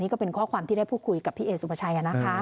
ก็เป็นข้อความที่ได้พูดคุยกับพี่เอสุภาชัย